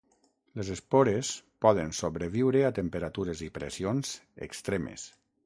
Les espores poden sobreviure a temperatures i pressions extremes.